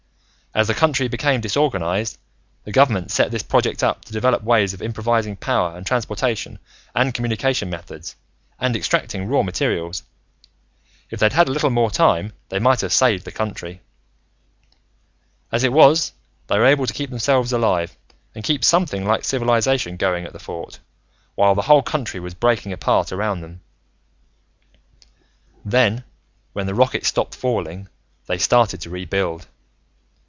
As the country became disorganized, the Government set this project up to develop ways of improvising power and transportation and communication methods and extracting raw materials. If they'd had a little more time, they might have saved the country. "As it was, they were able to keep themselves alive, and keep something like civilization going at the Fort, while the whole country was breaking apart around them. "Then, when the rockets stopped falling, they started to rebuild.